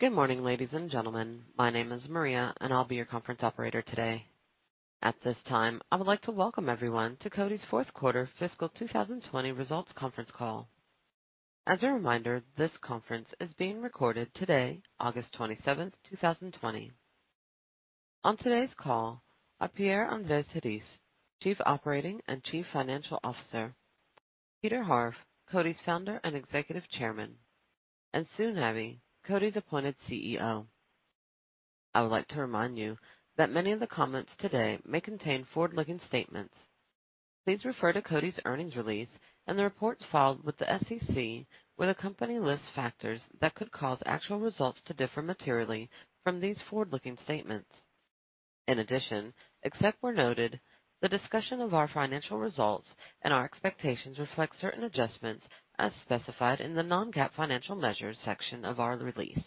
Good morning ladies and gentlemen. My name is Maria and I'll be your conference operator today. At this time I would like to welcome everyone to Coty's Fourth Quarter Fiscal 2020 Results Conference Call. As a reminder, this conference is being recorded today, August 27th, 2020. On today's call are Pierre-André Terisse, Chief Operating and Chief Financial Officer, Peter Harf, Coty's Founder and Executive Chairman, and Sue Nabi, Coty's appointed CEO. I would like to remind you that many of the comments today may contain forward looking statements. Please refer to Coty's earnings release and the reports filed with the SEC where the company lists factors that could cause actual results to differ materially from these forward looking statements. In addition, except where noted, the discussion of our financial results and our expectations reflect certain adjustments as specified in the non-GAAP financial measures section of our release.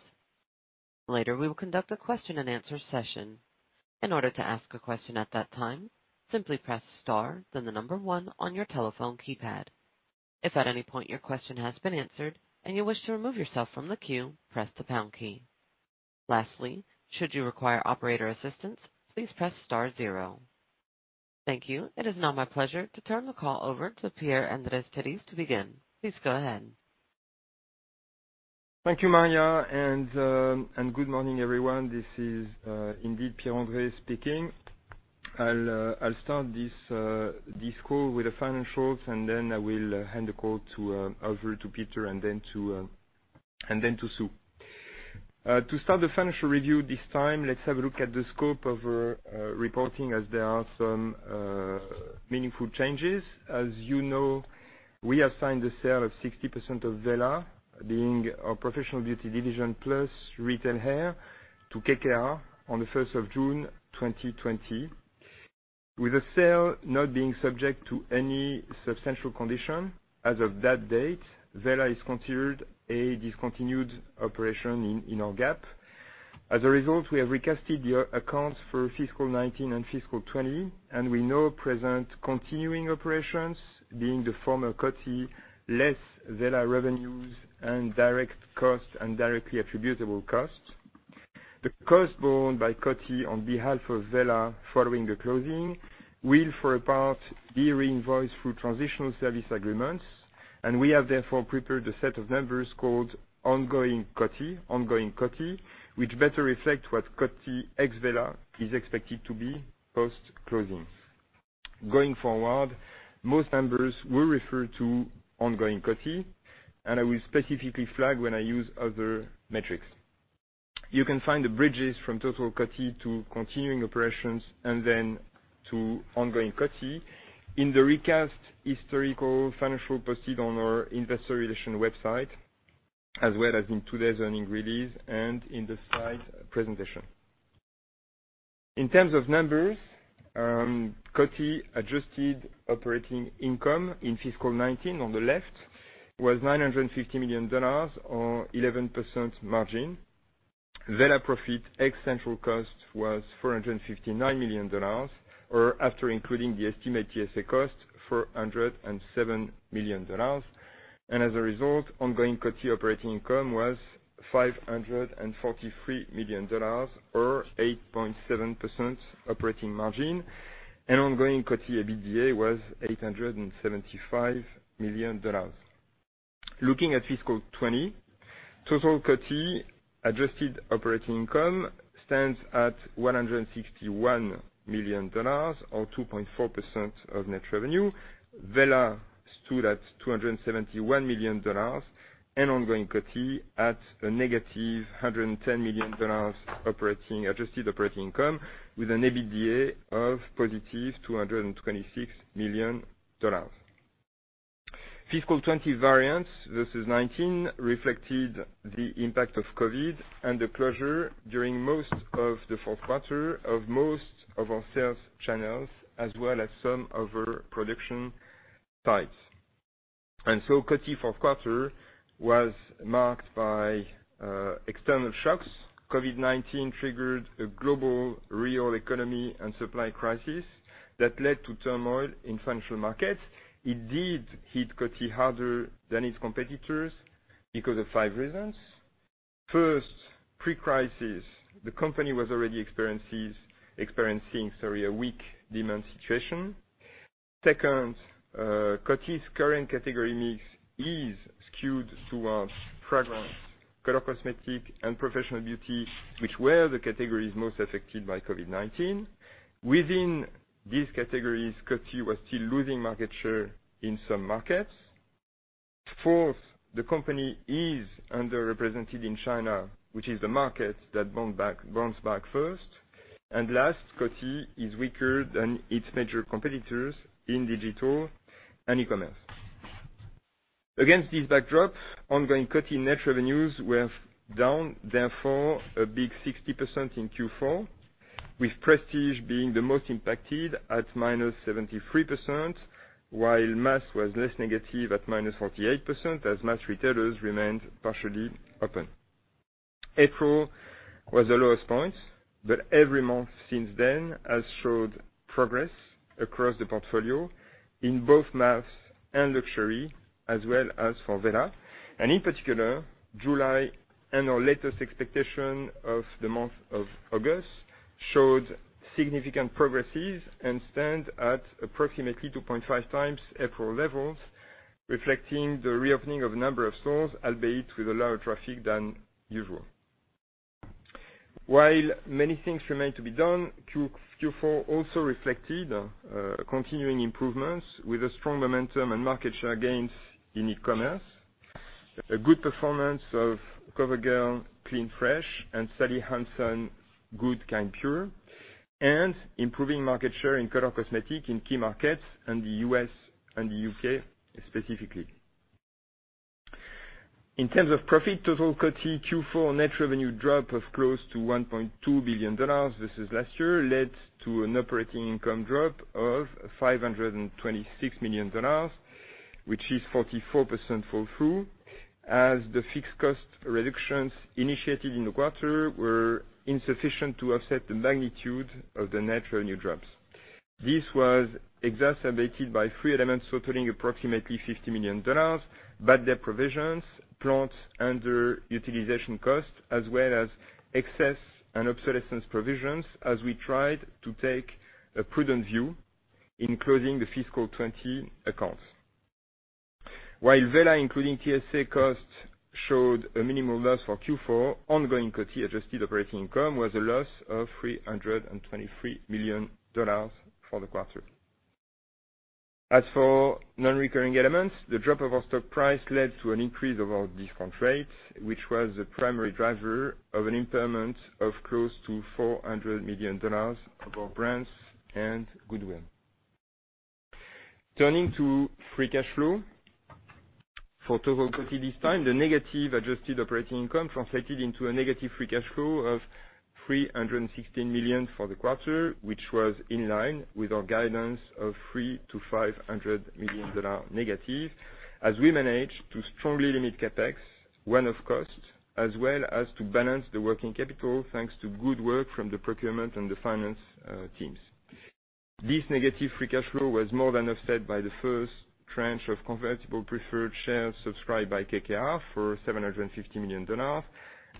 Later we will conduct a question and answer session. In order to ask a question at that time, simply press star then the number one on your telephone keypad. If at any point your question has been answered and you wish to remove yourself from the queue, press the pound key. Lastly, should you require operator assistance, please press star zero. Thank you. It is now my pleasure to turn the call over to Pierre-André Terisse to begin. Please go ahead. Thank you Maria and good morning everyone. This is indeed Pierre-André speaking. I'll start this call with the final thoughts and then I will hand the call over to Peter and then to Sue to start the financial review. This time let's have a look at the scope of reporting as there are some meaningful changes. As you know, we assigned the sale of 60% of Wella, being our professional beauty division plus Retail Hair, to KKR on 1st June 2020 with a sale not being subject to any substantial condition as of that date. Wella is considered a discontinued operation in our GAAP. As a result, we have recasted the accounts for fiscal 2019 and fiscal 2020 and we now present continuing operations being the former Coty, less Wella revenues and direct cost and directly attributable cost. The cost borne by Coty on behalf of Wella following the closing will for a part be re-invoiced through transitional service agreements and we have therefore prepared a set of numbers called ongoing Coty which better reflect what Coty ex-Wella is expected to be post closing. Going forward, most numbers will refer to ongoing Coty and I will specifically flag when I use other metrics. You can find the bridges from total Coty to continuing operations and then to ongoing Coty in the recast historical financial posted on our Investor Relations website as well as in today's earnings release and in the slide presentation. In terms of numbers, Coty adjusted operating income in fiscal 2019 on the left was $950 million or 11% margin. Wella profit ex central cost was $459 million or after including the estimate cost $407 million and as a result ongoing Coty operating income was $543 million or 8.7% operating margin and ongoing Coty EBITDA was $875 million. Looking at fiscal 2020, total Coty adjusted operating income stands at $161 million or 2.4% of net revenue. Wella stood at $271 million and ongoing Coty at a -$110 million adjusted operating income with an EBITDA of +$226 million. Fiscal 2020 variance versus 2019 reflected the impact of COVID and the closure due to during most of Q4 most of our sales channels as well as some of our production sites and so Coty fourth quarter was marked by external shocks. COVID-19 triggered a global real economy and supply crisis that led to turmoil in financial markets. It did hit Coty harder than its competitors because of five reasons. First, pre-crisis the company was already experiencing a weak demand situation. Second, Coty's current category mix is skewed towards fragrance, color cosmetics, and professional beauty, which were the categories most affected by COVID-19. Within these categories, Coty was still losing market share in some markets. Fourth, the company is underrepresented in China, which is the market that bounced back first and last. Coty is weaker than its major competitors in digital and e-commerce. Against this backdrop, ongoing Coty net revenues were down a big 60% in Q4, with prestige being the most impacted at -73%, while mass was less negative at -48% as mass retailers remained partially open. April was the lowest point, but every month since then has showed progress across the portfolio in both Mass and Luxury as well as for Wella and in particular July and our latest expectation of the month of August showed significant progresses and stand at approximately 2.5x April levels, reflecting the reopening of a number of stores albeit with a lower traffic than usual. While many things remain to be done, Q4 also reflected continuing improvements with a strong momentum and market share gains in e-commerce, a good performance of COVERGIRL, Clean Fresh, and Sally Hansen GOOD. KIND. PURE., and improving market share in color cosmetics in key markets and the U.S. and the U.K. Specifically in terms of profit, total Coty Q4 net revenue drop of close to $1.2 billion versus last year led to an operating income drop of $526 million, which is 44% fall through as the fixed cost reductions initiated in the quarter were insufficient to offset the magnitude of the net revenue drops. This was exacerbated by three elements totaling approximately $50 million: bad debt provisions, plants underutilization cost, as well as excess and obsolescence provisions, as we tried to take a prudent view in closing the fiscal 2020 accounts. While Wella including TSA costs showed a minimal loss for Q4, ongoing Coty adjusted operating income was a loss of $323 million for the quarter. As for non-recurring elements, the drop of our stock price led to an increase of our discount rate, which was the primary driver of an impairment of close to $400 million of our brands and goodwill. Turning to free cash flow for total Coty, this time the negative adjusted operating income translated into a negative free cash flow of $316 million for the quarter, which was in line with our guidance of $300 million-$500 million negative as we managed to strongly limit CapEx costs as well as to balance the working capital thanks to good work from the procurement and the finance. This negative free cash flow was more than offset by the first tranche of convertible preferred shares subscribed by KKR for $750 million,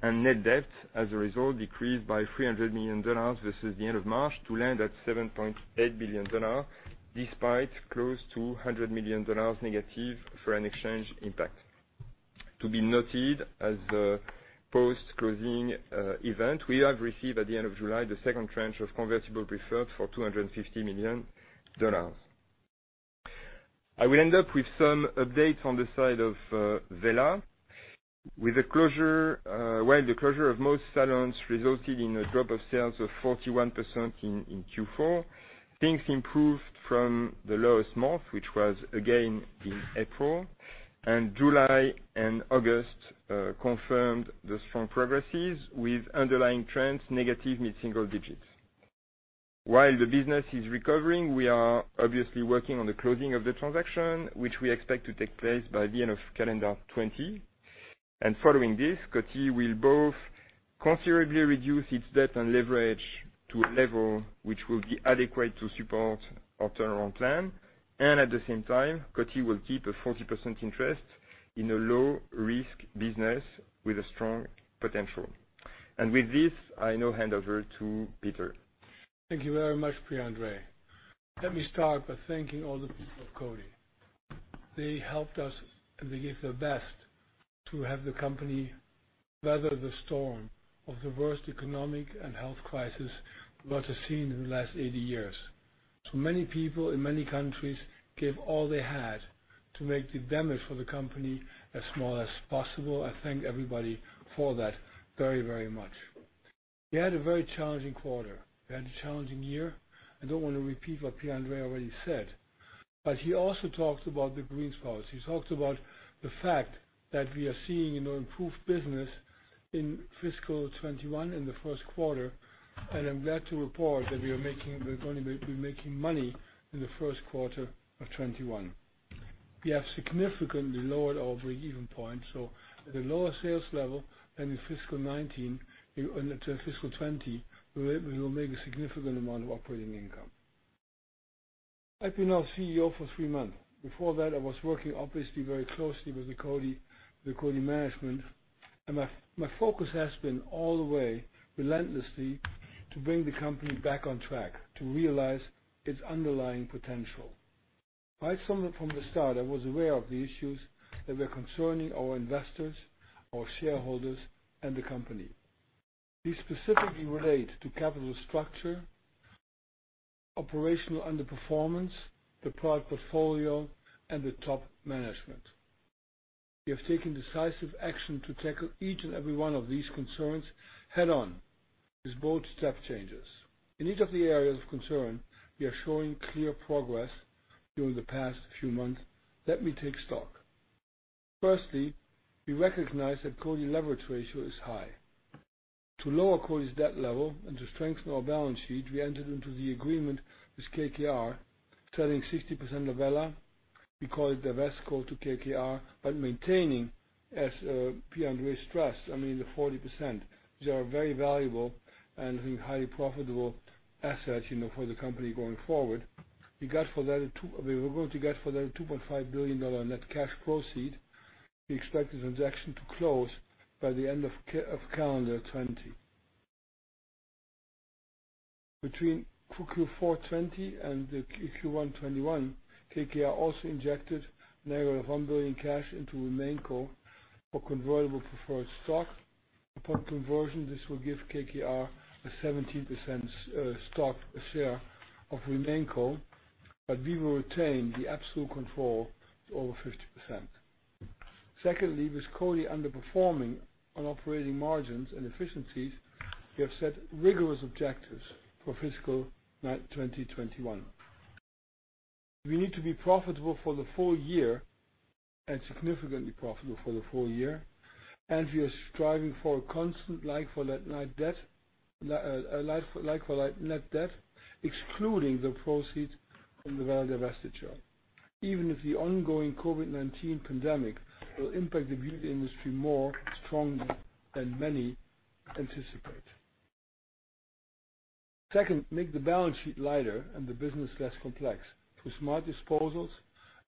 and net debt as a result decreased by $300 million versus the end of March to land at $7.8 billion. Despite close to $100 million negative foreign exchange impact, to be noted as post closing event, we have received at the end of July the second tranche of convertible preferred for $250 million. I will end up with some updates on the side of Wella with the closure. While the closure of most salons resulted in a drop of sales of 41% in Q4, things improved from the lowest month, which was again in April, and July and August confirmed the strong progresses with underlying trends negative mid single digit. While the business is recovering, we are obviously working on the closing of the transaction, which we expect to take place by the end of calendar 2020, and following this Coty will both considerably reduce its debt and leverage to a level which will be adequate to support our turnaround plan, and at the same time Coty will keep a 40% interest in a low risk business with a strong potential. With this, I now hand over to Peter. Thank you very much, Pierre-André. Let me start by thanking all the people of Coty, they helped us and they gave their best to have the company weather the storm of the worst economic and health crisis that has been seen in the last 80 years. So many people in many countries gave all they had to make the benefit for the company as small as possible. I thank everybody for that very, very much. We had a very challenging quarter and a challenging year. I do not want to repeat what Pierre-André already said, but he also talked about the greenspace. He talked about the fact that we are seeing improved business in fiscal 2021 in the first quarter. I am glad to report that we are making. We are going to be making money in the first quarter. We have significantly lowered our breakeven point. At a lower sales level than in fiscal 2019 and fiscal 2020 we will make a significant amount of operating income. I've been now CEO for three months. Before that I was working obviously very closely with the Coty management. My focus has been all the way relentlessly to bring the company back on track to realize its underlying potential price. From the start I was aware of the issues that were concerning our investors, our shareholders and the company. These specifically relate to capital structure, operational underperformance, the product portfolio and the top management. We have taken decisive action to tackle each and every one of these concerns head on. It is both step changes in each of the areas of concern. We are showing clear progress during the past few months. Let me take stock. Firstly, we recognize that Coty leverage ratio is high. To lower Coty's debt level and to strengthen our balance sheet we entered into the agreement with KKR selling 60% of Wella. We call it DivestCo to KKR but maintaining, as Pierre-André stressed, I mean the 40%. They are very valuable and highly profitable assets for the company going forward. We got for that. We're going to get for that a $2.5 billion net cash proceed. We expect the transaction to close by the end of calendar 2020 between Q4 2020 and Q1 2021. KKR also injected -$1 billion cash into RemainCo for convertible preferred stock. Upon conversion, this will give KKR a 17% stock share of RemainCo. We will retain the absolute control to over 50%. Secondly, with Coty underperforming on operating margins and efficiencies we have set rigorous objectives for fiscal 2021. We need to be profitable for the full year and significantly profitable for the full year. We are striving for a constant like-for-like net debt excluding the proceeds from the Wella divestiture. Even if the ongoing COVID-19 pandemic will impact the beauty industry more strongly than many anticipate. Second, make the balance sheet lighter and the business less complex with smart disposals,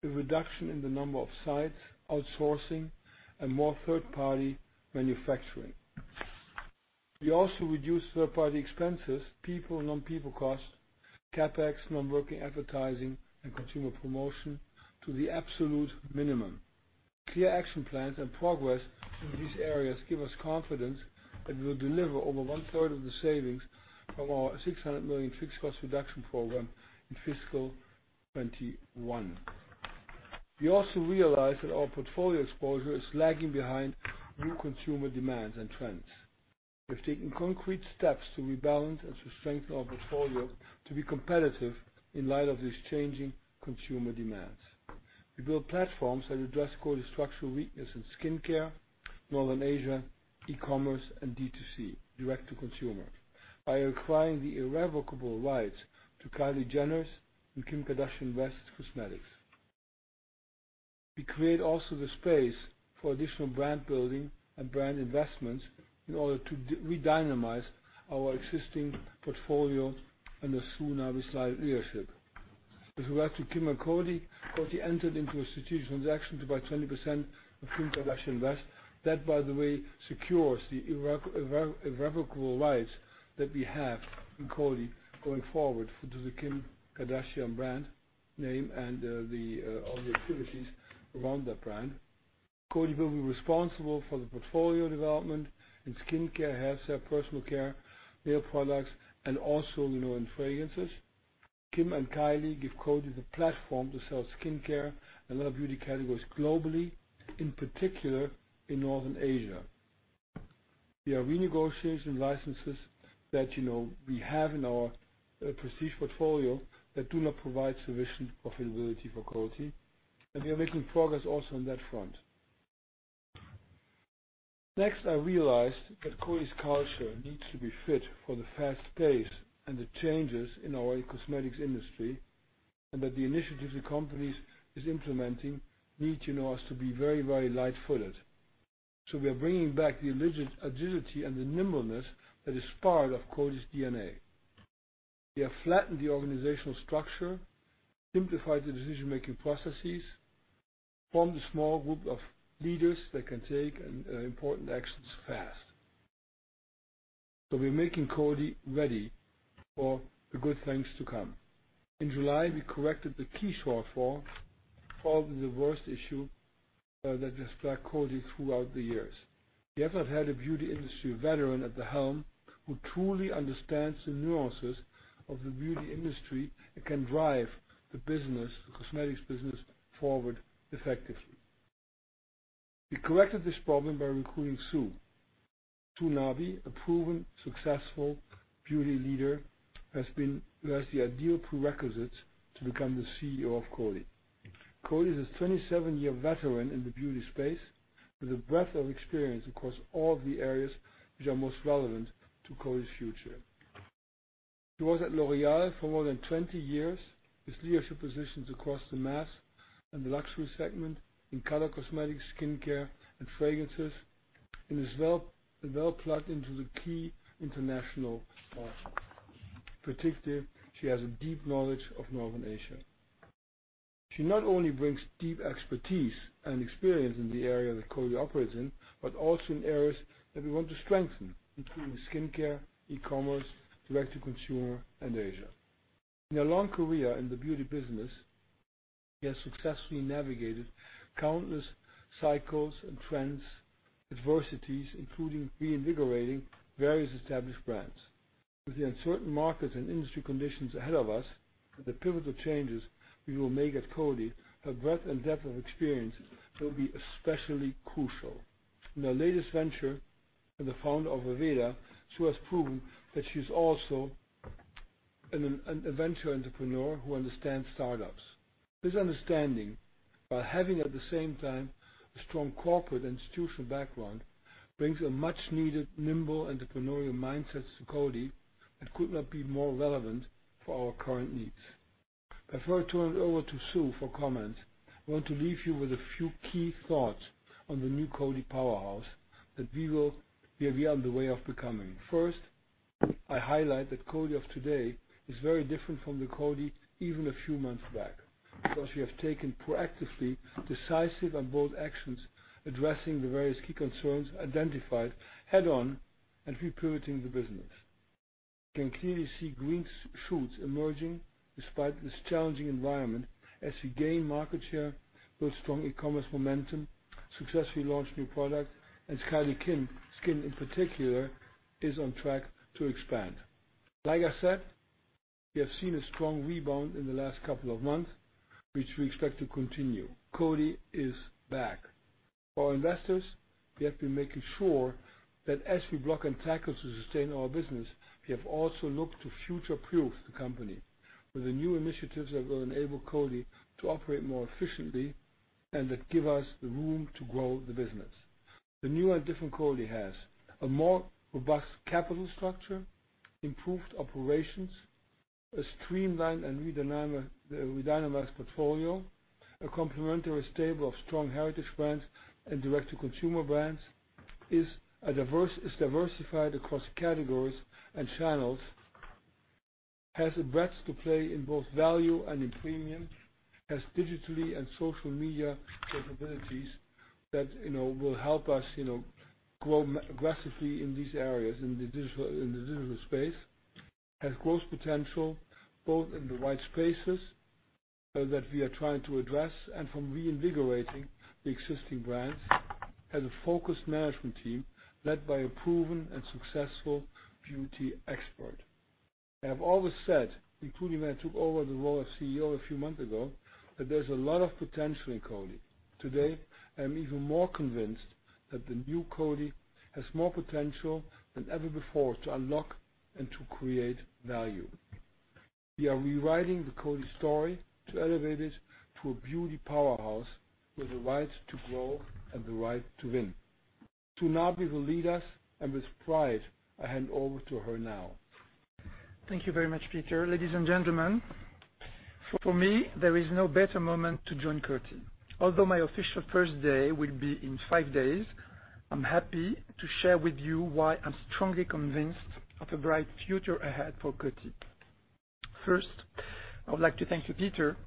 a reduction in the number of sites, outsourcing and more third-party manufacturing. We also reduced third-party expenses, people, non-people cost, CapEx, non-working advertising and consumer promotion to the absolute minimum. Clear action plans and progress in these areas give us confidence that we will deliver over 1/3 of the savings from our $600 million fixed cost reduction program in fiscal 2021. We also realize that our portfolio exposure is lagging behind new consumer demands and trends. We've taken concrete steps to rebalance and to strengthen our portfolio to be competitive in light of this changing consumer demands. We build platforms that address Coty structural weakness in skin care, Northern Asia, e-commerce and DTC direct-to-consumer. By acquiring the irrevocable rights to Kylie Jenner's and Kim Kardashian-West cosmetics, we create also the space for additional brand building and brand investments in order to redynamize our existing portfolio under Sue Nabi's leadership with regard to Kim and Coty. Coty entered into a strategic transaction to buy 20% of Kim Kardashian-West. That by the way secures the irrevocable rights that we have in Coty going forward to the Kim Kardashian brand name and all the activities around that brand. Coty will be responsible for the portfolio development in skin care, hair, personal care, nail products and also in fragrances. Kim and Kylie give Coty the platform to sell skincare and other beauty categories globally, in particular in Northern Asia. We are renegotiating licenses that we have in our prestige portfolio that do not provide sufficient profitability for Coty and we are making progress also on that front. Next I realized that Coty's culture needs to be fit for the fast pace and the changes in our cosmetics industry and that the initiatives the company is implementing need, you know, us to be very, very light footed. We are bringing back the agility and the nimbleness that is part of Coty's DNA. We have flattened the organizational structure, simplified the decision making processes from the small group of leaders that can take important actions fast. We are making Coty ready for the good things to come. In July we corrected the key shortfall, probably the worst issue that described Coty throughout the years. We have not had a beauty industry veteran at the helm who truly understands the nuances of the beauty industry and can drive the business, the cosmetics business forward effectively. We corrected this problem by recruiting Sue Nabi, a proven successful beauty leader who has the ideal prerequisite to become the CEO of Coty. Sue is a 27-year veteran in the beauty space with a breadth of experience across all the areas which are most relevant to Coty's future. She was at L'Oréal for more than 20 years with leadership positions across the mass and the luxury segment in color cosmetics, skin care and fragrances and is well plugged into the key international predictive. She has a deep knowledge of Northern Asia. She not only brings deep expertise and experience in the area that Coty operates in, but also in areas that we want to strengthen including skin care, e-commerce, direct to consumer and Asia. In a long career in the beauty business, she has successfully navigated countless cycles and trends, adversities including reinvigorating various established brands. With the uncertain markets and industry conditions ahead of us, the pivotal changes we will make at Coty, her breadth and depth of experience will be especially crucial in her latest venture and the founder of Orveda, Sue has proven that she's also a venture entrepreneur who understands startups. This understanding, while having at the same time a strong corporate institutional background, brings a much needed nimble entrepreneurial mindset to Coty that could not be more relevant for our current needs. Before I turn it over to Sue for comments, I want to leave you with a few key thoughts on the new Coty powerhouse that we will be on the way of becoming. First, I highlight that Coty of today is very different from the Coty even a few months back because we have taken proactively decisive and bold actions addressing the various key concerns identified head on and re-permitting. The business can clearly see green shoots emerging despite this challenging environment as we gain market share, build strong e-commerce momentum, successfully launched new products, and Kylie Skin in particular is on track to expand. Like I said, we have seen a strong rebound in the last couple of months which we expect to continue. Coty is back for investors. We have been making sure that as we block and tackle to sustain our business, we have also looked to future proof the company with the new initiatives that will enable Coty to operate more efficiently and that give us the room to grow the business. The new and different Coty has a more robust capital structure, improved operations, a streamlined and redundant portfolio, a complementary stable of strong heritage brands and direct to consumer brands, is diverse, is diversified across categories and channels, has a breadth to play in both value and in premium, has digitally and social media capabilities that will help us grow aggressively in these areas in the digital space, has growth potential both in the white spaces that we are trying to address and from reinvigorating the existing brands as a focused management team led by a proven and successful beauty expert. I have always said, including when I took over the role of CEO a few months ago, that there's a lot of potential in Coty. Today I'm even more convinced that the new Coty has more potential than ever before to unlock and to create value. We are rewriting the Coty story to elevate it to a beauty powerhouse with the right to grow and the right to win. Sue Nabi will lead us and with pride I hand over to her now. Thank you very much, Peter. Ladies and gentlemen, for me there is no better moment to join Coty. Although my official first day will be in five days, I'm happy to share with you why I'm strongly convinced of a bright future ahead for Coty. First, I would like to thank you, Peter,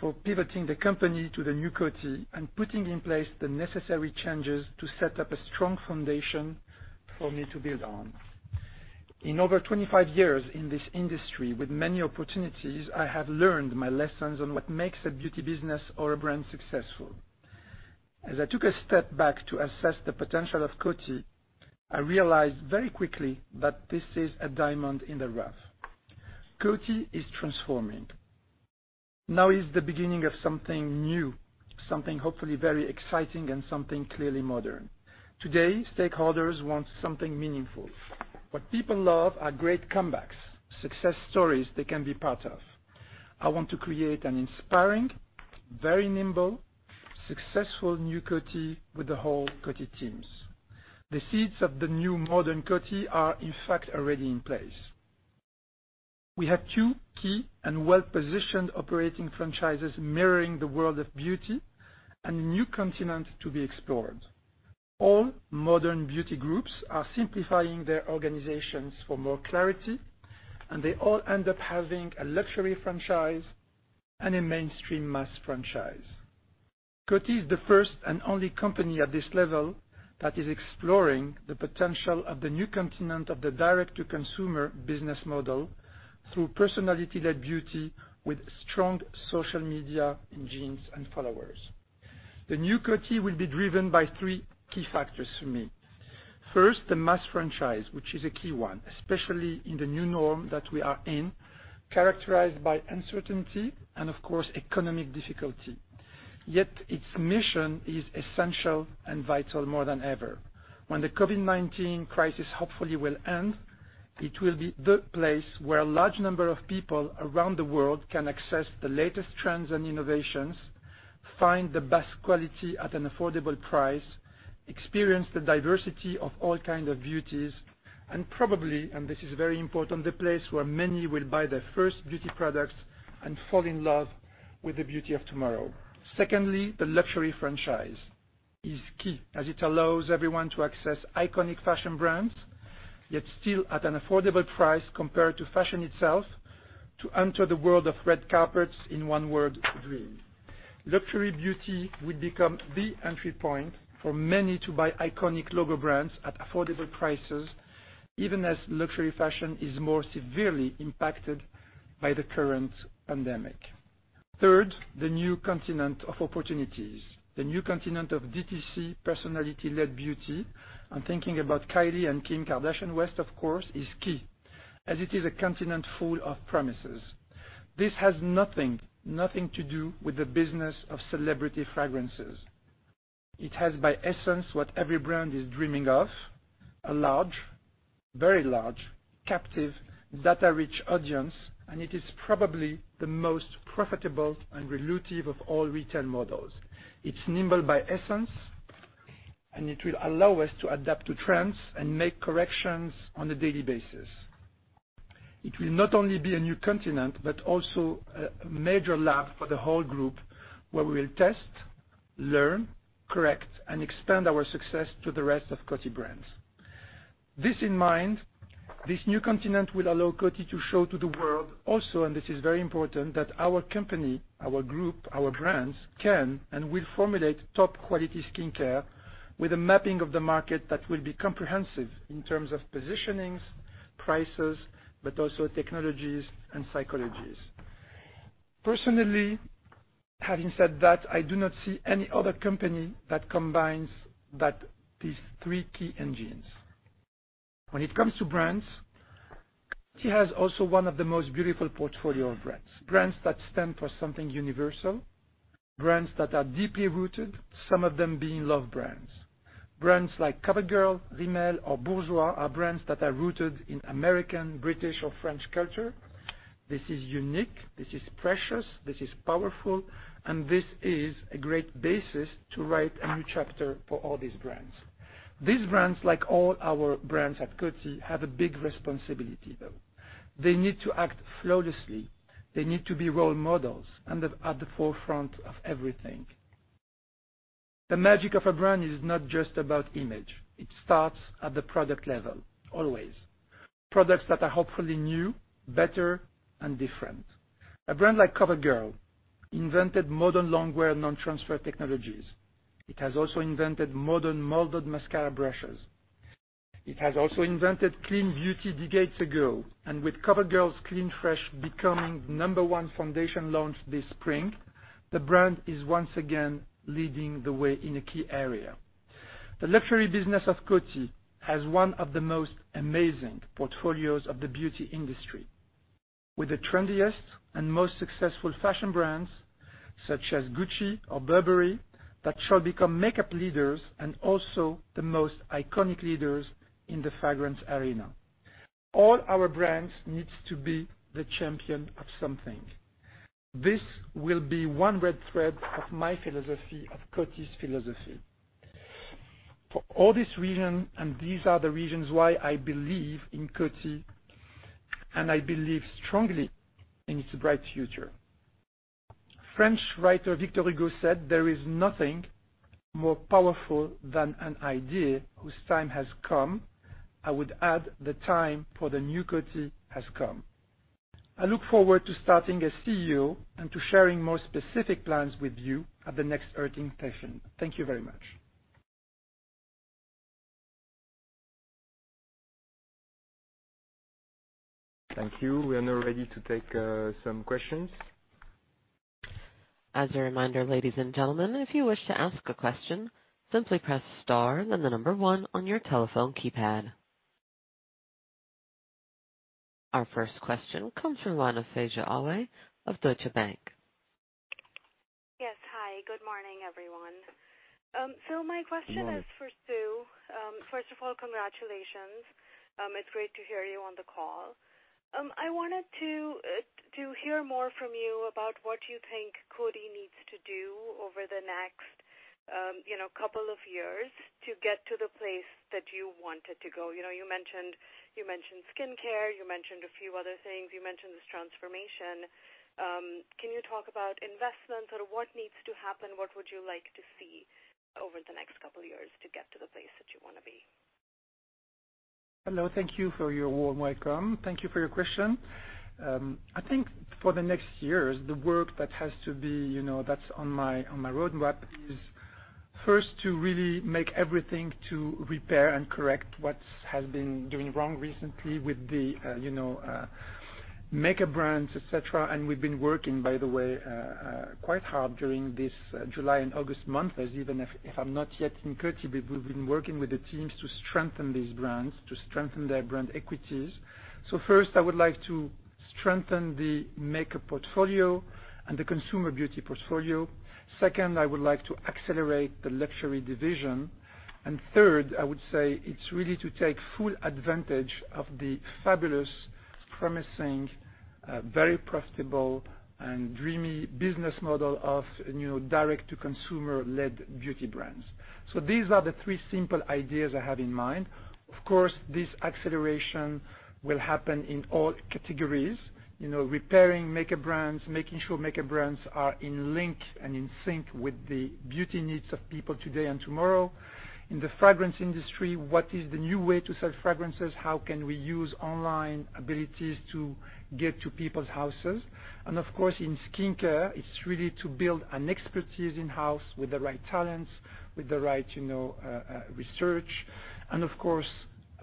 for pivoting the company to the new Coty and putting in place the necessary changes to set up a strong foundation for me to build on. In over 25 years in this industry with many opportunities, I have learned my lessons on what makes a beauty business. Or a brand successful. As I took a step back to assess the potential of Coty, I realized very quickly that this is a diamond in the rough. Coty is transforming. Now is the beginning of something new, something hopefully very exciting and something clearly modern. Today, stakeholders want something meaningful. What people love are great comebacks, success stories they can be part of. I want to create an inspiring, very nimble, successful new Coty with the whole Coty teams. The seeds of the new modern Coty are in fact already in place. We have two key and well positioned operating franchises mirroring the world of beauty and new continents to be explored. All modern beauty groups are simplifying their organizations for more clarity and they all end up having a luxury franchise and a mainstream mass franchise. Coty is the first and only company at this level that is exploring the potential of the new continent of the direct-to-consumer business model through personality-led beauty. With strong social media engines and followers, the new Coty will be driven by three key factors for me. First, the mass franchise, which is a key one especially in the new norm that we are in characterized by uncertainty and of course economic difficulty. Yet its mission is essential and vital more than ever. When the COVID-19 crisis hopefully will end, it will be the place where a large number of people around the world can access the latest trends and innovations, find the best quality at an affordable price, experience the diversity of all kinds of beauties and probably, and this is very important, the place where many will buy their first beauty products and fall in love with the beauty of tomorrow. Secondly, the luxury franchise is key as it allows everyone to access iconic fashion brands yet still at an affordable price compared to fashion itself to enter the world of red carpets. In one word, dream luxury beauty would become the entry point for many to buy iconic logo brands at affordable prices, even as luxury fashion is more severely impacted by the current pandemic. Third, the new continent of opportunities, the new continent of DTC personality-led beauty. I'm thinking about Kylie and Kim Kardashian-West of course. Course is key as it is a continent full of promises. This has nothing, nothing to do with the business of celebrity fragrances. It has by essence what every brand is dreaming of. A large, very large, captive, data-rich audience. And it is probably the most profitable and dilutive of all retail models. It's nimble by essence and it will allow us to adapt to trends and make corrections on a daily basis. It will not only be a new continent but also a major lab for. The whole group where we will test. Learn, correct and expand our success to the rest of Coty brands. This in mind, this new continent will allow Coty to show to the world also. This is very important that our company, our group, our brands can and will formulate top quality skin care with a mapping of the market that will be comprehensive in terms of positionings, prices, but also technologies and psychologies. Personally, having said that, I do not see any other company that combines these three key engines when it comes to brands. It has also one of the most beautiful portfolios of brands. Brands that stand for something universal. Brands that are deeply rooted, some of them being love brands. Brands like COVERGIRL, Rimmel or Bourjois are brands that are rooted in American, British or French culture. This is unique, this is precious, this is powerful and this is a great basis to write a new chapter for all these brands. These brands, like all our brands at Coty, have a big responsibility though. They need to act flawlessly. They need to be role models at the forefront of everything. The magic of a brand is not just about image. It starts at the product level. Always products that are hopefully new, better and different. A brand like COVERGIRL invented modern longwear non transfer technologies. It has also invented modern molded mascara brushes. It has also invented clean beauty decades ago. With COVERGIRL's Clean Fresh becoming number one foundation launch this spring, the brand is once again leading the way in a key area. The luxury business of Coty has one of the most amazing portfolios of the beauty industry, with the trendiest and most successful fashion brands such as GUCCI or Burberry that shall become makeup leaders and also the most iconic leaders in the fragrance arena. All our brands need to be the champion of something. This will be one red thread of my philosophy, of Coty's philosophy. For all this reason, and these are the reasons why I believe in Coty and I believe strongly in its bright future. French writer Victor Hugo said, there is nothing more powerful than an idea whose time has come. I would add the time for the new Coty has come. I look forward to starting as CEO and to sharing more specific plans with you at the next earnings session. Thank you very much. Thank you. We are now ready to take some questions. As a reminder, ladies and gentlemen, if you wish to ask a question, simply press star then the number one on your telephone keypad. Our first question comes from Faiza Alwy of Deutsche Bank. Yes, hi. Good morning everyone. My question is for Sue. First of all, congratulations, it's great to hear you on the call. I wanted to hear more from you about what you think Coty needs to do over the next couple of years to get to the place that you want to go. You mentioned skin care, you mentioned a few other things. You mentioned this transformation. Can you talk about investment, sort of what needs to happen? What would you like to see over the next couple of years to get to the place that you want to be? Hello, thank you for your warm welcome. Thank you for your question. I think for the next years, the work that has to be, you know, that's on my, on my roadmap is first to really make everything to repair and correct what has been doing wrong recently with the, you know, makeup brands, et cetera. We've been working, by the way, quite hard during this July and August month as even if I'm not yet in Coty, we've been working with the teams to strengthen these brands to strengthen their brand equities. First, I would like to strengthen the makeup portfolio and the consumer beauty portfolio. Second, I would like to accelerate the luxury division. Third, I would say it's really to take full advantage of the fabulous, promising, very profitable and dreamy business model of direct to consumer led beauty brands. These are the three simple ideas I have in mind. Of course, this acceleration will happen in all categories. Repairing maker brands, making sure maker brands are in link and in sync with the beauty needs of people today and tomorrow in the fragrance industry. What is the new way to sell fragrances? How can we use online abilities to get to people's houses? Of course in skincare, it's really to build an expertise in house with the right talents, with the right research and of course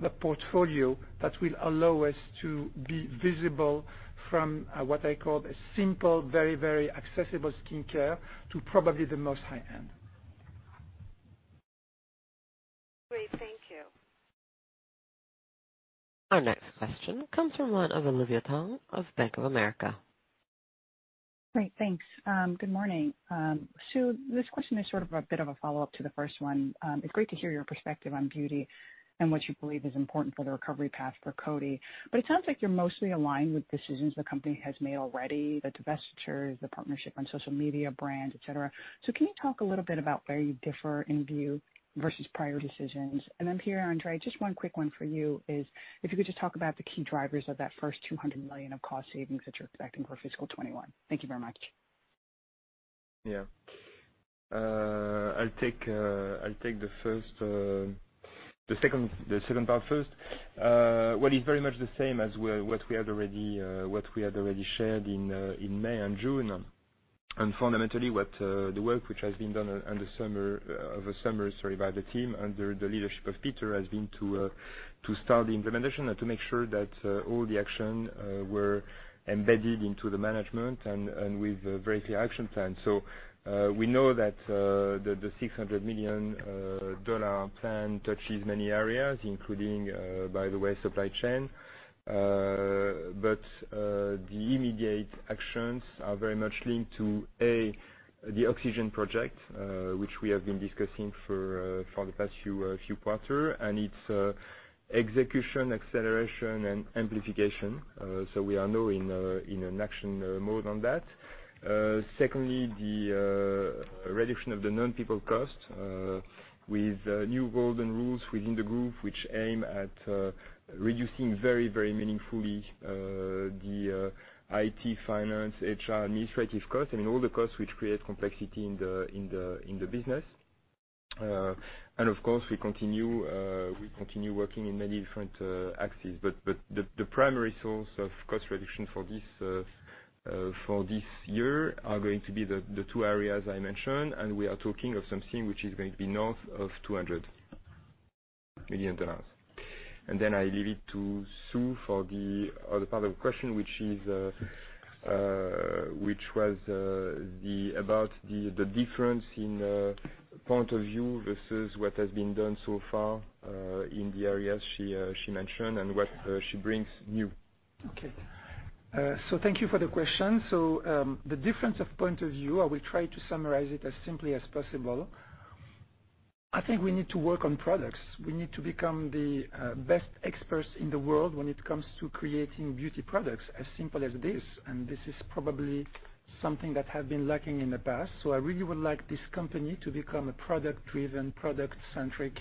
the portfolio that will allow us to be visible from what I call a simple, very, very accessible skin care to probably the most high end. Great, thank you. Our next question comes from Olivia Tong of Bank of America. Great, thanks. Good morning, Sue. This question is sort of a bit of a follow up to the first one. It's great to hear your perspective on beauty and what you believe is important for the recovery path for Coty. It sounds like you're mostly aligned with decisions the company has made already, that divestitures, the partnership on social media, brands, et cetera. Can you talk a little bit about where you differ in view versus prior decisions? Pierre-André, just one quick one for you is if you could just talk about the key drivers of that first $200 million of cost savings that you're expecting for fiscal 2021. Thank you very much. Yeah, I'll take the second part first. It is very much the same as what we had already shared in May and June and fundamentally what the work which has been done over summer by the team under the leadership of Peter has been to start the implementation and to make sure that all the action were embedded into the management and with very clear action plan. We know that the $600 million plan touches many areas including, by the way, supply chain. The immediate actions are very much linked to, a, the Oxygen project which we have been discussing for the past few quarters and its execution, acceleration and amplification. We are now in an action mode on that. Secondly, the reduction of the non-people cost with new golden rules within the group which aim at reducing very, very meaningfully the IT, finance, HR, administrative cost, I mean all the costs which create complexity in the business. Of course, we continue, we continue working in many different axes. The primary source of cost reduction for this year are going to be the two areas I mentioned. We are talking of something which is going to be north of $200 million. I leave it to Sue for the other part of the question which was about the difference in point of view versus what has been done so far in the areas she mentioned and what she brings new. Okay, thank you for the question. The difference of point of view. I will try to summarize it as simply as possible. I think we need to work on products. We need to become the best experts in the world when it comes to creating beauty products as simple as this. This is probably something that has been lacking in the past. I really would like this company to become a product driven, product centric,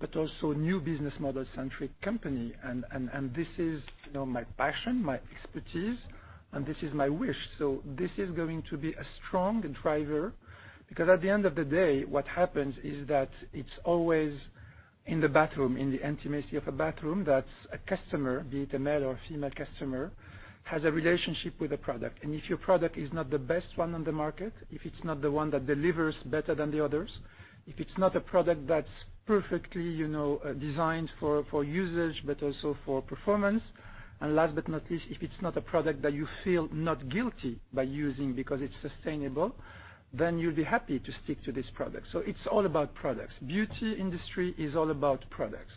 but also new business model centric company. This is my passion, my expertise, and this is my wish. This is going to be a strong driver. At the end of the day what happens is that it's always in the bathroom, in the intimacy of a bathroom, that a customer, be it a male or female customer, has a relationship with the product. If your product is not the best one on the market, if it's not the one that delivers better than the others, if it's not a product that's perfectly designed for usage but also for performance, and last but not least, if it's not a product that you feel not guilty by using because it's sustainable, then you'll be happy to stick to this product. It is all about products. Beauty industry is all about products.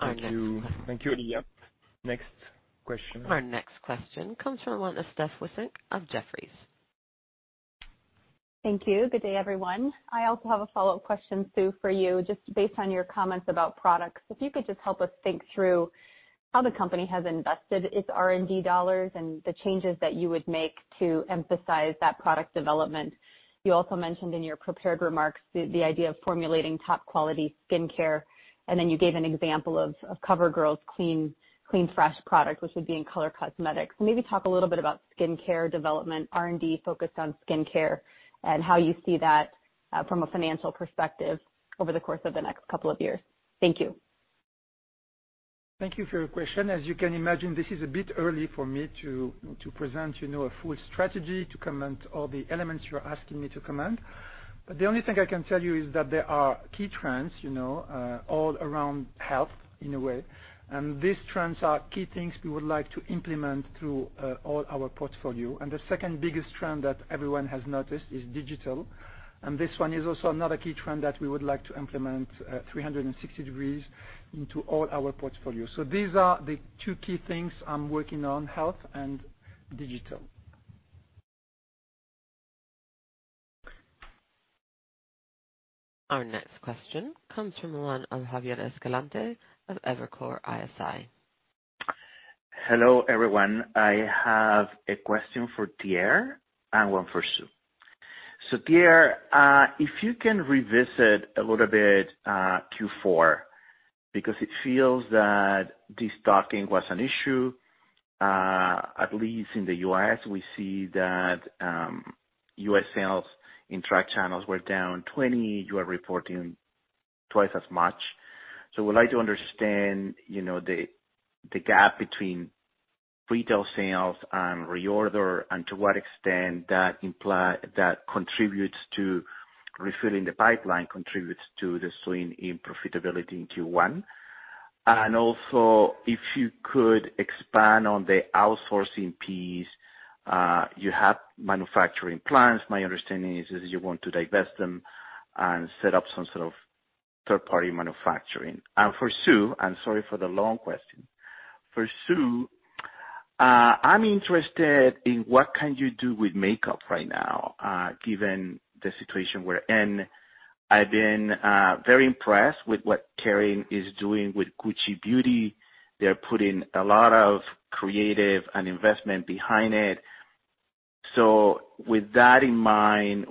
Thank you. Next question. Our next question comes from Steph Wissink of Jefferies. Thank you. Good day everyone. I also have a follow up question, Sue, for you. Just based on your comments about products, if you could just help us think through how the company has invested its R&D dollars and the changes that you would make to emphasize that product development. You also mentioned in your prepared remarks the idea of formulating top quality skin care. You gave an example of COVERGIRL's Clean Fresh product which would be in color cosmetics. Maybe talk a little bit about skin care development, R&D focused on skin care and how you see that from a financial perspective over the course of the next couple of years. Thank you. Thank you for your question. As you can imagine, this is a bit early for me to present a full strategy, to comment all the elements you're asking me to comment. The only thing I can tell you is that there are key trends all around health in a way. These trends are key things we would like to implement through all our portfolio. The second biggest trend that everyone has noticed is digital. This one is also another key trend that we would like to implement 360 degrees into all our portfolios. These are the two key things I'm working on, health and digital. Our next question comes from one Javier Escalante of Evercore ISI. Hello everyone. I have a question for Pierre and one for Sue. Pierre, if you can revisit a little bit Q4 because it feels that destocking was an issue, at least in the U.S. we see that U.S. sales in truck channels were down 20. You are reporting twice as much. You know, we'd like to understand the gap between retail sales and reorder and to what extent that contributes to. Refilling the pipeline, contributes to the swing in profitability in Q1. If you could expand on the outsourcing piece, you have manufacturing plans. My understanding is you want to divest them and set up some sort of third party manufacturing. For Sue, I'm sorry for the long question. For Sue, I'm interested in what can. You do with makeup right now given the situation we're in? I've been very impressed with what Kering is doing with Gucci Beauty. They're putting a lot of creative and investment behind it. With that in mind,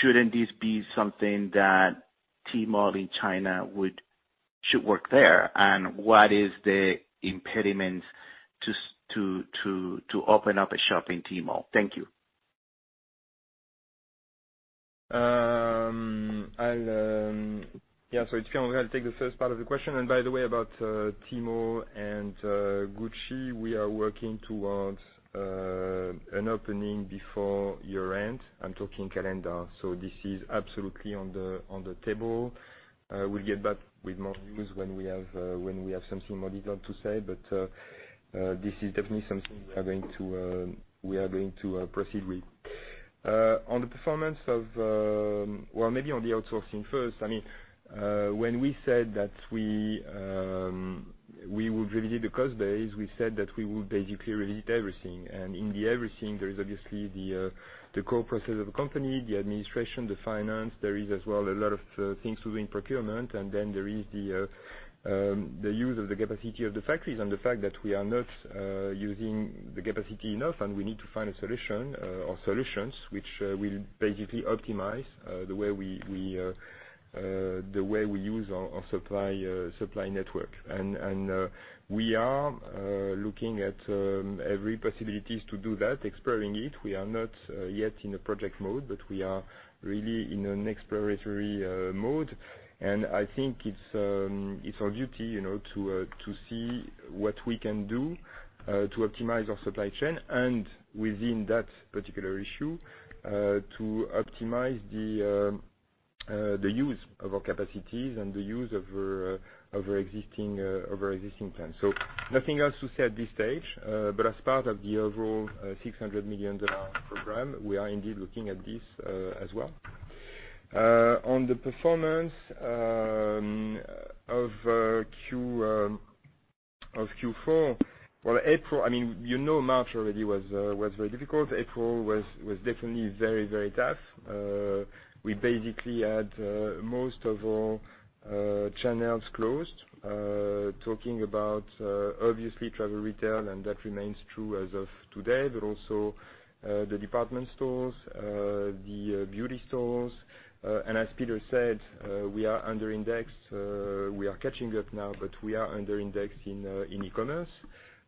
shouldn't this be something that Tmall in China would, should work there? What is the impediment. To open. Up a shop in Tmall? Thank you. Yeah, so it's Pierre. I'll take the first part of the question. By the way, about Tmall and GUCCI, we are working towards an opening before year end. I'm talking calendar. This is absolutely on the table. We'll get back with more news when we have something more detailed to say. This is definitely something we are going to proceed with. On the performance of, maybe on the outsourcing first. I mean, when we said that we would revisit the cost base, we said that we would basically revisit everything. In the everything there is obviously the core process of the company, the administration, the finance. There is as well a lot of things to do in procurement. There is the use of the capacity of the factories and the fact that we are not using the capacity enough and we need to find a solution or solutions which will basically optimize the way we use our supply network. We are looking at every possibility to do that, exploring it. We are not yet in a project mode, but we are really in an exploratory mode. I think it's our duty to see what we can do to optimize our supply chain and within that particular issue to optimize the use of our capacities and the use of our existing plants. Nothing else to say at this stage, but as part of the overall $600 million program, we are indeed looking at this as well. On the performance of Q4, April, I mean, you know, March already was very difficult. April was definitely very, very tough. We basically had most of all channels closed, talking about obviously travel retail, and that remains true as of today. Also the department stores, the beauty stores. As Peter said, we are under indexed, we are catching up now, but we are under indexed in e-commerce.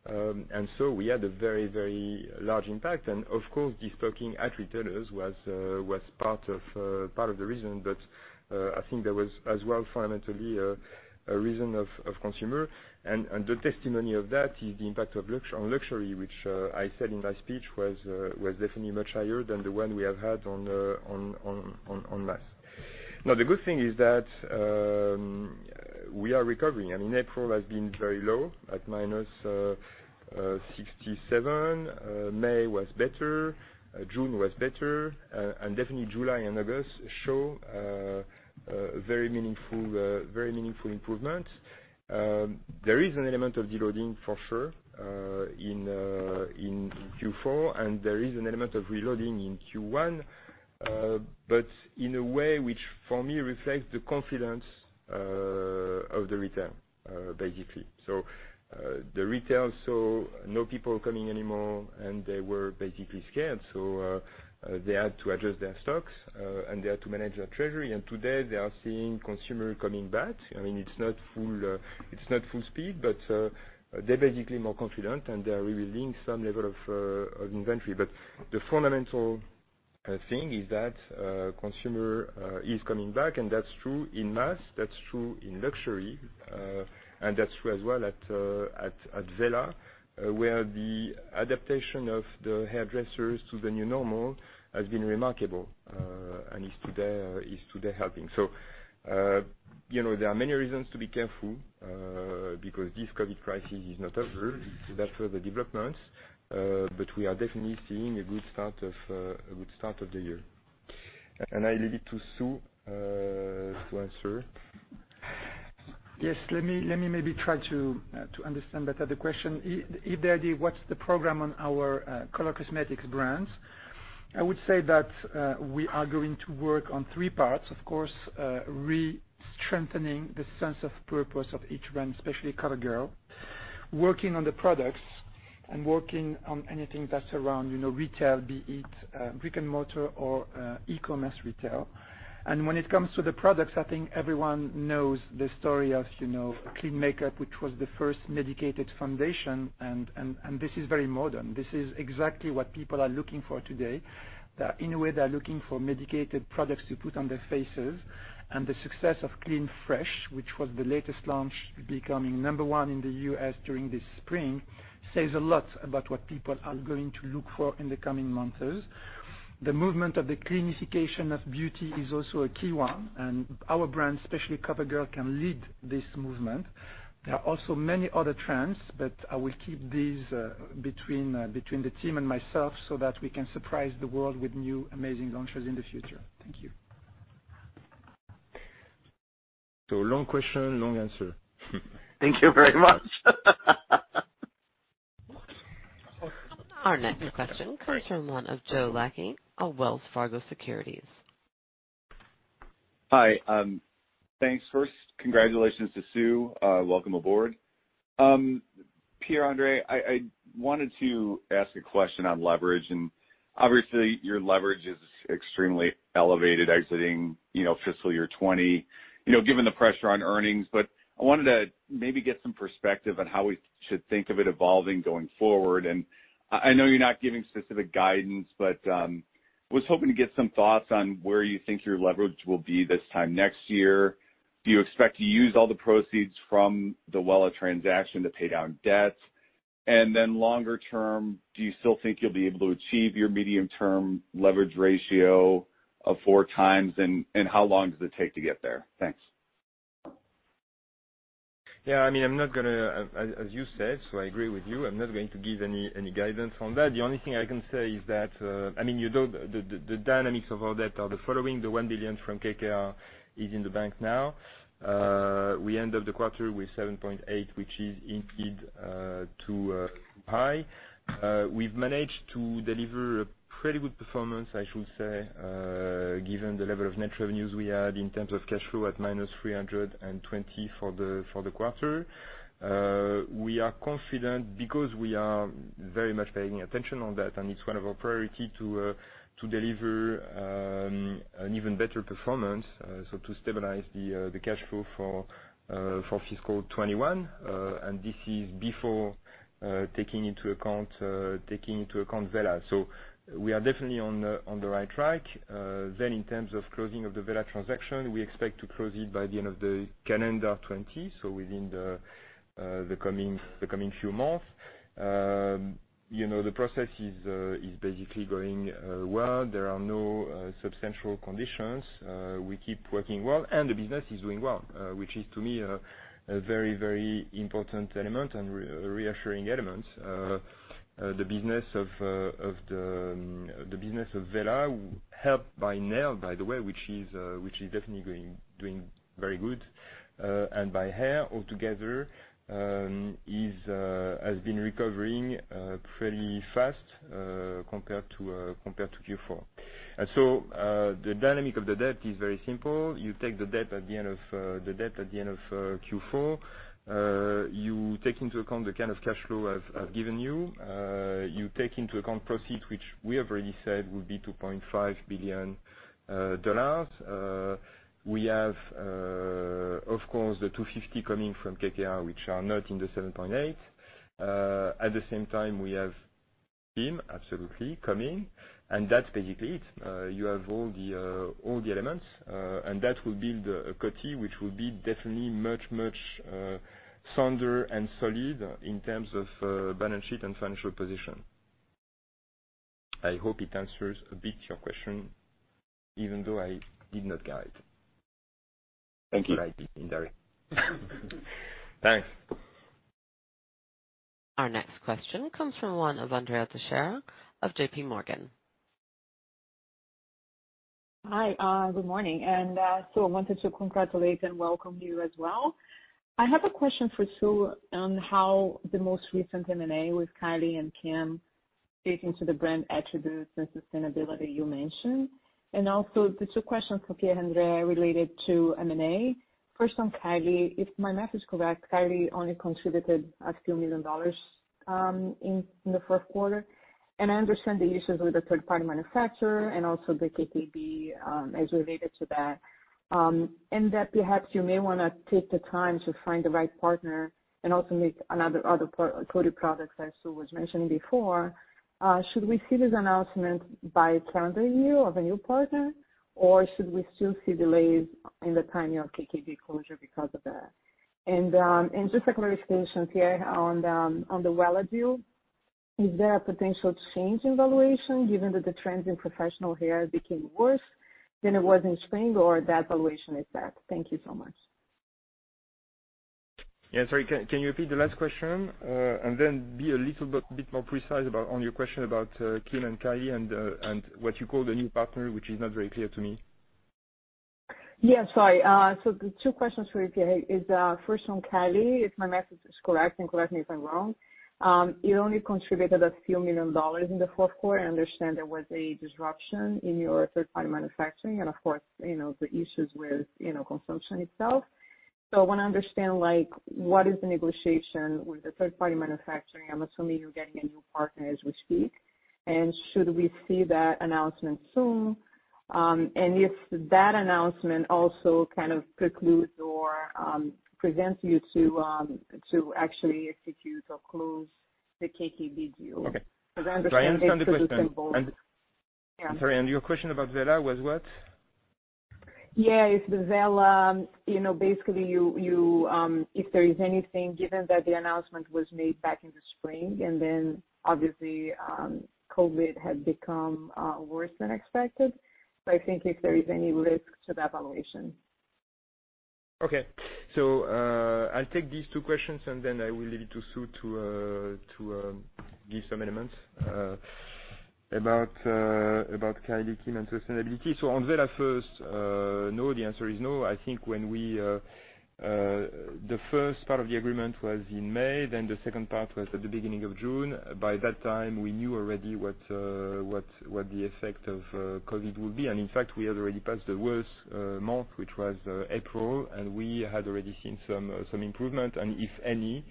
We had a very, very large impact. Of course, destocking at retailers was part of the reason. I think there was as well fundamentally a reason of consumer. The testimony of that is the impact on luxury, which I said in my speech, was definitely much higher than the one we have had on mass. The good thing is that we are recovering. I mean, April has been very low at -67. May was better, June was better. July and August show very meaningful, very meaningful improvements. There is an element of deloading for. Sure. In Q4 and there is an element of reloading in Q1. In a way which for me reflects the confidence of the return basically. The retail saw no people coming anymore and they were basically scared. They had to adjust their stocks and they had to manage their treasury. Today they are seeing consumers coming back. I mean it's not full speed, but they're basically more confident and they are revealing some level of inventory. The fundamental thing is that consumer is coming back. That's true true in mass, that's true in luxury. That's true as well at Wella where the adaptation of the hairdressers to the new normal has been remarkable and is today helping. You know, there are many reasons to be careful because this COVID crisis is not over that further developments. We are definitely seeing a good start of the year. I leave it to Sue to answer. Yes, let me maybe try to understand that other question. If the, what's the program on our color cosmetics brands? I would say that we are going to work on three parts, of course, re-strengthening the sense of purpose of each brand, especially COVERGIRL, working on the products and working on anything that's around retail, be it brick and mortar or e-commerce retail. When it comes to the products, I think everyone knows the story of clean makeup, which was the first medicated foundation. This is very modern. This is exactly what people are looking for today. In a way they're looking for medicated products to put on their faces. The success of Clean Fresh, which was the latest launch becoming number one in the U.S. during this spring, says a lot about what people are going to look for in the coming months. The movement of the clinification of beauty is also a key one and our brand, especially COVERGIRL, can lead this movement. There are also many other trends, but I will keep these between the team and myself so that we can surprise the world with new amazing launches in the future. Thank you. Long question, long answer. Thank you very much. Our next question comes from Joe Lachky of Wells Fargo Securities. Hi, thanks. First, congratulations to Sue. Welcome aboard. Pierre. André, I wanted to ask a question on leverage and obviously your leverage is extremely elevated exiting fiscal year 2020 given the pressure on earnings. I wanted to maybe get some perspective on how we should think of it evolving going forward. I know you're not giving specific guidance, but was hoping to get some thoughts on where you think your leverage will be this time next year. Do you expect to use all the proceeds from the Wella transaction to pay down debts? Longer term, do you still think you'll be able to achieve your medium term leverage ratio of 4x? How long does it take to get there? Thanks. Yeah, I mean I'm not going to, as you said, so I agree with you. I'm not going to give any guidance on that. The only thing I can say is that, I mean, you know, the dynamics of all that are the following. The $1 billion from KKR is in the bank now. We end up the quarter with $7.8 billion, which is in too high. We've managed to deliver a pretty good performance, I should say, given the level of net revenues we had in terms of cash flow at -$320 million for the quarter. We are confident because we are very much paying attention on that and it's one of our priority to deliver an even better performance. To stabilize the cash flow from for fiscal 2021. This is before taking into account, taking into account Wella. We are definitely on the right track then in terms of closing of the Wella transaction. We expect to close it by the end of the calendar 2020. Within the coming few months, you know, the process is basically going well. There are no substantial conditions. We keep working well and the business is doing well, which is to me a very, very important element and reassuring elements. The business of Wella, helped by nail, by the way, which is definitely doing very good and by hair altogether, has been recovering pretty fast compared to Q4. The dynamic of the debt is very simple. You take the debt at the end of the debt at the end of Q4, you take into account the kind of cash flow I've given you, you take into account proceeds which we have already said would be $2.5 billion. We have of course the $250 million coming from KKR which are not in the $7.8 billion. At the same time we have Kim absolutely coming. That is basically it. You have all the elements and that will build a Coty which will be definitely much, much sounder and solid in terms of balance sheet and financial position. I hope it answers a bit your question, even though I did not guide. Thank you. Thanks. Our next question comes from Andrea Teixeira of JPMorgan. Hi, good morning. Sue, I wanted to congratulate and welcome you as well. I have a question for Sue on how the most recent M&A with Kylie and Kim fit into the brand attributes and sustainability you mentioned. Also, the two questions Pierre-André related to M&A. First on Kylie, if my math is correct, Kylie only contributed a few million dollars in the fourth quarter. I understand the issues with the third party manufacturer and also the KKW Beauty as related to that and that perhaps you may want to take the time to find the right partner and also make another coded products, as Sue was mentioning before. Should we see this announcement by calendar year of a new partner or should we still see delays in the timing of KKW Beauty closure because of that? Just a clarification Pierre on the Wella deal, is there a potential change in valuation given that the trends in professional hair became worse than it was in spring or that valuation is bad? Thank you so much. Yeah, sorry, can you repeat the last question and then be a little bit more precise on your question about Kim and Kylie and what you call the new partner, which is not very clear to me. Yes, sorry. The two questions for you is first from Kylie, if my message is correct and correct me if I'm wrong, it only contributed a few million dollars in the fourth quarter. I understand there was a disruption in your third party manufacturing and of course the issues with consumption itself. I want to understand like what is the negotiation with the third party manufacturing? I'm assuming you're getting a new partner as we speak and should we see that announcement soon and if that announcement also kind of precludes or prevents you to actually execute or close the KKW Beauty deal? I'm sorry, and your question about Wella was what? Yes, Wella. You know, basically if there is anything, given that the announcement was made back in the spring and then obviously COVID had become worse than expected. I think if there is any risk to that valuation. Okay, I will take these two questions and then I will leave it to Sue to give some elements about credit sustainability. On Wella first, no. The answer is no. I think when we, the first part of the agreement was in May. The second part was at the beginning of June. By that time we knew already what the effect of COVID would be. In fact, we had already passed the worst month, which was April, and we had already seen some improvement. If anything,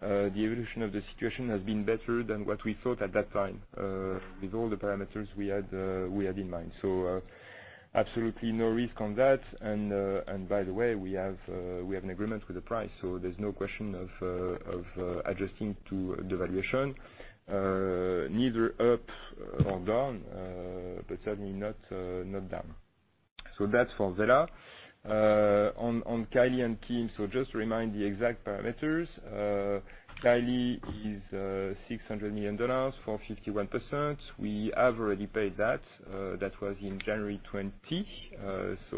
the evolution of the situation has been better than what we thought at that time with all the parameters we had in mind. Absolutely no risk on that. By the way, we have an agreement with the price, so there is no question of adjusting to the valuation, neither up or down, but certainly not down. That is for Wella on Kylie and Kim. Just to remind the exact parameters, Kylie is $600 million for 51%. We have already paid that. That was in January 2020.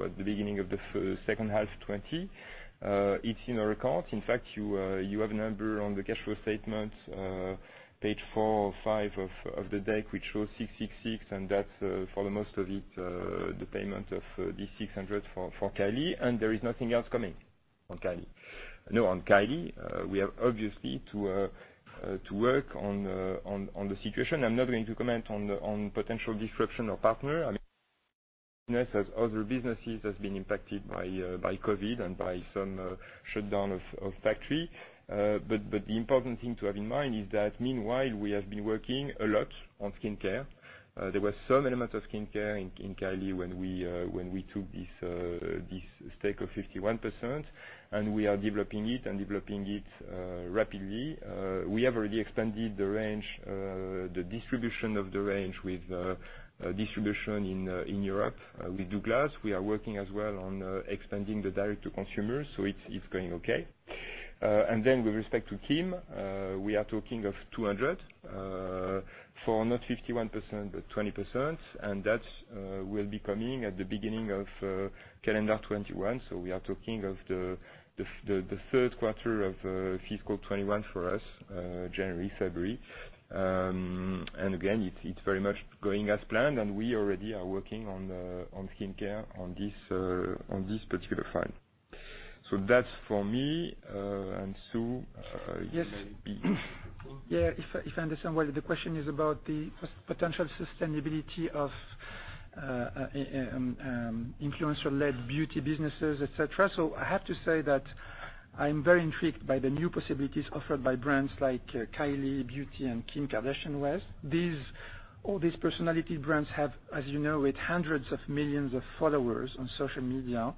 At the beginning of the second half 2020, it is in our account. In fact, you have a number on the cash flow statement, page four or five of the deck, which shows $666 million, and that is for most of it, the payment of this $600 million for Kylie. There is nothing else coming on Kylie. No, on Kylie. We have obviously to work on the situation. I am not going to comment on potential disruption of partner, other businesses have been impacted by COVID and by some shutdown of factory. The important thing to have in mind is that meanwhile we have been working a lot on skin care. There were some elements of skin care in Kylie when we took this stake of 51% and we are developing it and developing it rapidly. We have already expanded the range, the distribution of the range with distribution in Europe with Douglas. We are working as well on expanding the direct to consumers. It's going okay. With respect to Kim we are talking of $200 million for not 51% but 20% and that will be coming at the beginning of the calendar 2021. We are talking of the third quarter of fiscal 2021 for us, January, February and again it's very much going as planned. We already are working on skin care on this particular file. That's for me and Sue. Yeah, if I understand. The question is about the potential sustainability of influencer led beauty businesses, et cetera. I have to say that I'm very intrigued by the new possibilities offered by brands like Kylie beauty and Kim Kardashian-West. All these personality brands have, as you know, with hundreds of millions of followers on social media,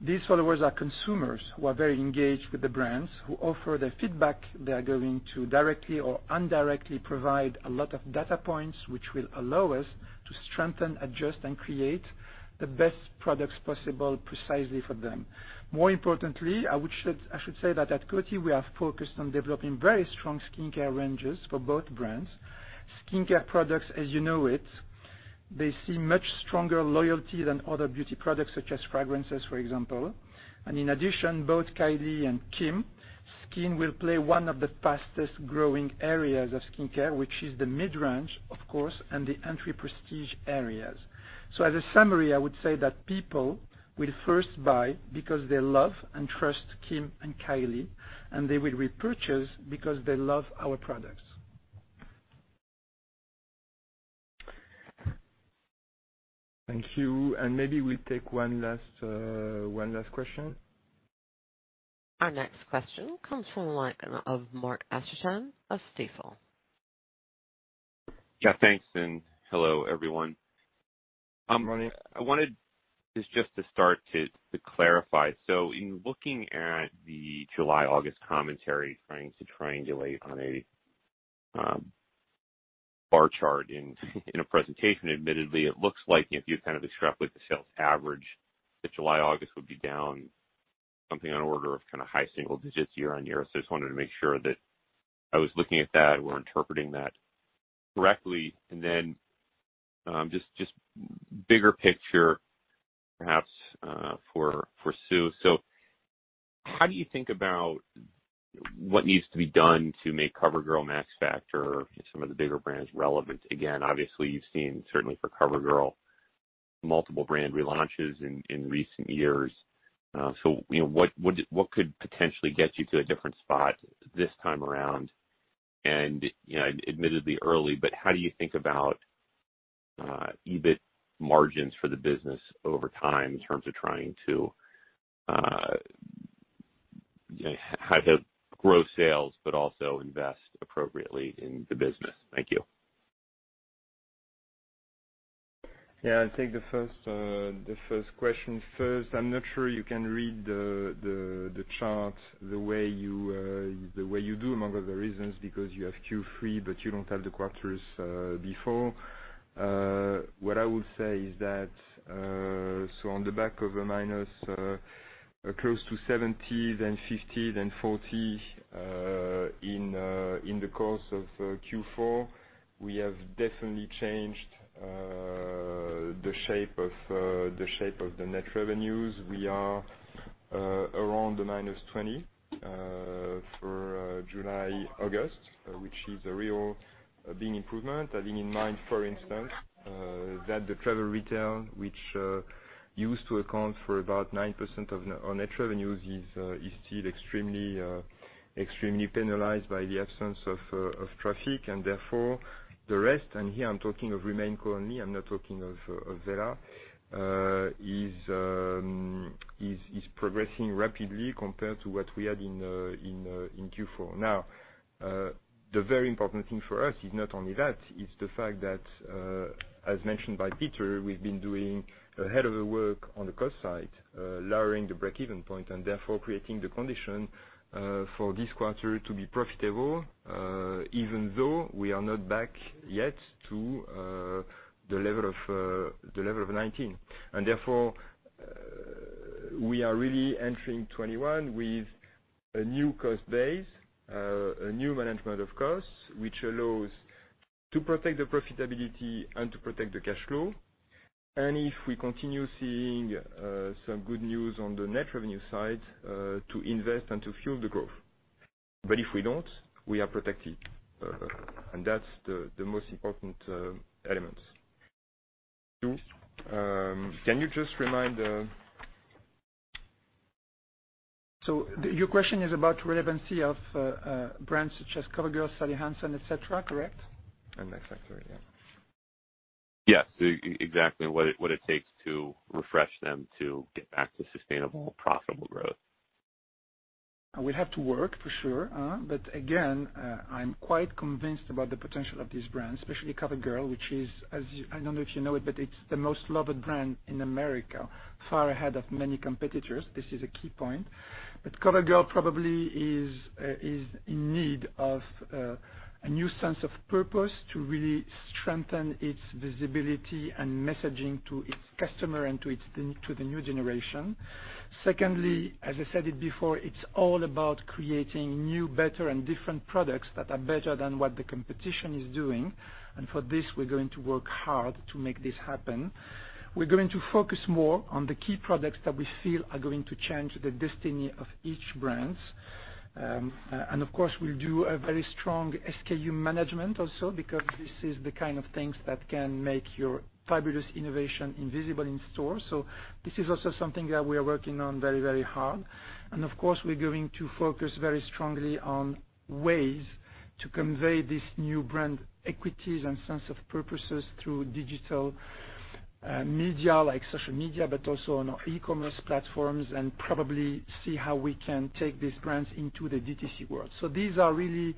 these followers are consumers who are very engaged with the brands who offer their feedback. They are going to directly or indirectly provide a lot of data points which will allow us to strengthen, adjust and create the best products possible precisely for them. More importantly, I should say that at Coty we are focused on developing very strong skin care ranges for both brands. Skincare products as you know it, they see much stronger loyalty than other beauty products such as fragrances for example. In addition, both Kylie and Kim skin will play one of the fastest growing areas of skin care, which is the mid range and the entry prestige areas. As a summary, I would say that people will first buy because they love and trust Kim and Kylie, and they will repurchase because they love our products. Thank you. Maybe we'll take one last question. Our next question comes from the line of Mark Astrachan of Stifel. Yeah, thanks and hello everyone. Good morning. I wanted just to start to clarify. In looking at the July August commentary, trying to triangulate on a bar chart in a presentation, admittedly it looks like if you kind of extrapolate the sales average that July August would be down something on order of kind of high single digits year on year. I just wanted to make sure that I was looking at that, we're interpreting that correctly, and then just bigger picture perhaps for Sue. How do you think about what needs to be done to make COVERGIRL, Max Factor, some of the bigger brands relevant again? Obviously, you've seen certainly for COVERGIRL multiple brand relaunches in recent years. What could potentially get you to a different spot this time around, and admittedly early. How do you think about EBIT margins for the business over time in terms of trying to grow sales but also invest appropriately in the business? Thank you. Yeah, I'll take the first question first. I'm not sure you can read the chart the way you do among other reasons because you have Q3 but you don't have the quarters before. What I will say is that on the back of a minus close to 70, then 50, then 40 in the course of Q4, we have definitely changed the shape of the net revenues. We are around the -20 for July, August, which is a real big improvement. Having in mind, for instance, that the travel retail, which used to account for about 9% of net revenues, is still extremely, extremely penalized by the absence of traffic and therefore the rest. Here I'm talking of RemainCo only, I'm not talking of Wella. Is. Progressing rapidly compared to what we had in in Q4. Now the very important thing for us is not only that, it is the fact that as mentioned by Peter, we've been doing a hell of a work on the cost side lowering the breakeven point and therefore creating the condition for this quarter to be profitable even though we are not back yet to the level of 2019 and therefore we are really entering 2021 with a new cost base, a new management of costs which allows to protect the profitability and to protect the cash flow and if we continue seeing some good news on the net revenue side to invest and to fuel the growth. If we do not, we are protected and that's the most important element. Can you just remind. Your question is about relevancy of brands such as COVERGIRL, Sally Hansen, et cetera. Correct? Yes, exactly. What it takes to refresh them to get back to sustainable, profitable growth? We'll have to work for sure. Again, I'm quite convinced about the potential of these brands, especially COVERGIRL, which is, I don't know if you know it, but it's the most loved brand in America, far ahead of many competitors. This is a key point. COVERGIRL probably is in need of a new sense of purpose to really strengthen its visibility and messaging to its customer and to the new generation. Secondly, as I said before, it's all about creating new, better and different products that are better than what the competition is doing. For this we're going to work hard to make this happen. We're going to focus more on the key products that we feel are going to change the destiny of each brand. Of course we'll do a very strong SKU management also because this is the kind of thing that can make your fabulous innovation invisible in stores. This is also something that we are working on very, very hard and of course we're going to focus very strongly on ways to convey this new brand equities and sense of purposes through digital media like social media, but also on e-commerce platforms and probably see how we can take these brands into the DTC world. These are really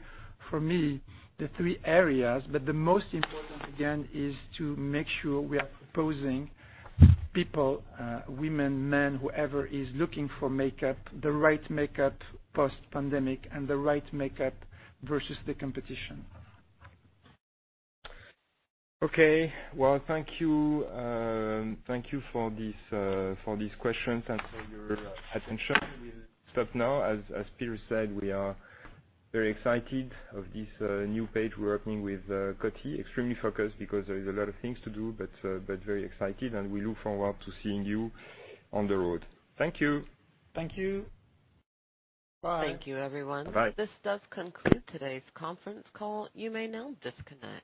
for me the three areas. The most important again is to make sure we are proposing people, women, men, whoever is looking for makeup, the right makeup post pandemic and the right makeup versus the competition. Okay, thank you, thank you for these questions and for your attention. We'll stop now. As Peter said, we are very excited of this new page. We're opening with Coty. Extremely focused because there is a lot of things to do, but very excited, and we look forward to seeing you on the road. Thank you. Thank you. Thank you, everyone. This does conclude today's conference call. You may now disconnect.